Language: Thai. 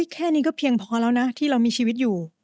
แค่นี้ก็เพียงพอแล้วนะที่เรามีชีวิตอยู่